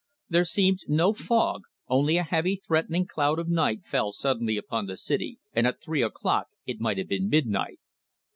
There seemed no fog, only a heavy, threatening cloud of night fell suddenly upon the city, and at three o'clock it might have been midnight.